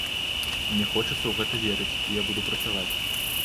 Мне хочацца ў гэта верыць, і я буду працаваць.